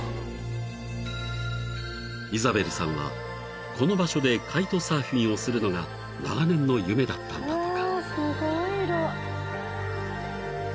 ［イザベルさんはこの場所でカイトサーフィンをするのが長年の夢だったんだとか］